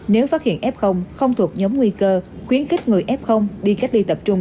nếu phát hiện f không thuộc nhóm nguy cơ khuyến khích người f đi cách ly tập trung